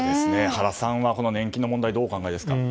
原さんは年金の問題どうお考えですか。